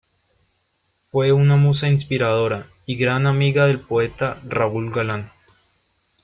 Fue una musa inspiradora y gran amiga del poeta Raúl Galán.